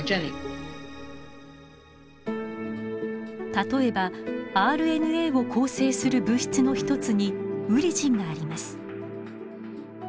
例えばＲＮＡを構成する物質の一つにウリジンがあります。